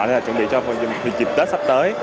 hay là chuẩn bị cho dịch tết sắp tới